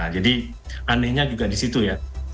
jadi anehnya juga disitu ya